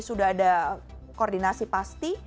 sudah ada koordinasi pasti